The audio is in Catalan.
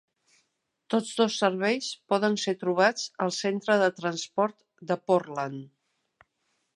Tots dos serveis poden ser trobats al Centre de Transport de Portland.